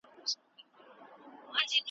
ما چي له طلا سره تللې اوس یې نه لرم .